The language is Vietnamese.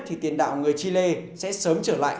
thì tiền đạo người chile sẽ sớm trở lại